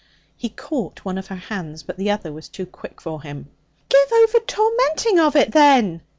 He caught one of her hands, but the other was too quick for him. 'Give over tormenting of it, then!'